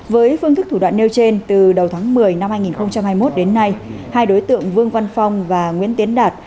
với phương thức thủ đoạn nêu trên từ đầu tháng một mươi năm hai nghìn hai mươi một đến nay hai đối tượng vương văn phong và nguyễn tiến đạt